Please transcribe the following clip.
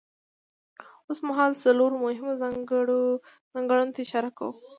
اوسمهال څلورو مهمو ځانګړنو ته اشاره کوم.